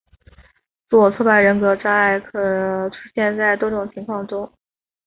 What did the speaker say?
自我挫败人格障碍可出现在多种情形中。